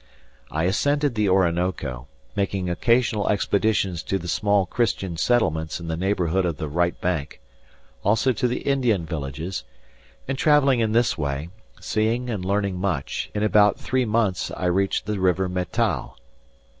I ascended the Orinoco, making occasional expeditions to the small Christian settlements in the neighbourhood of the right bank, also to the Indian villages; and travelling in this way, seeing and learning much, in about three months I reached the River Metal.